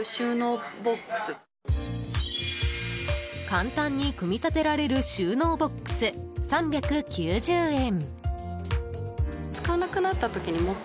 簡単に組み立てられる収納ボックス、３９０円。